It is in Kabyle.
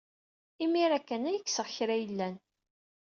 Imir-a kan ay kkseɣ krayellan.